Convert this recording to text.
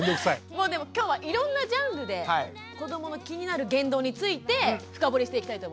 もうでも今日はいろんなジャンルで子どもの気になる言動について深掘りしていきたいと思います。